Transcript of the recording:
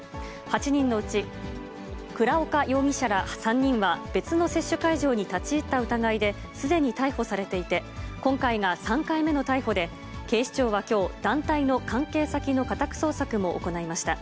８人のうち、倉岡容疑者ら３人は別の接種会場に立ち入った疑いですでに逮捕されていて、今回が３回目の逮捕で、警視庁はきょう、団体の関係先の家宅捜索も行いました。